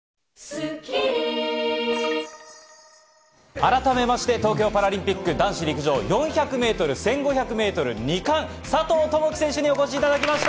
改めまして、東京パラリンピック男子陸上４００ｍ、１５００ｍで２冠、佐藤友祈選手にお越しいただきました！